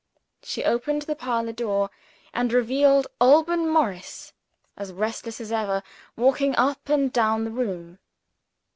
She opened the parlor door, and revealed Alban Morris, as restless as ever, walking up and down the room.